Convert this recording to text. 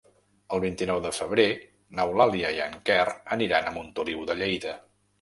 El vint-i-nou de febrer n'Eulàlia i en Quer aniran a Montoliu de Lleida.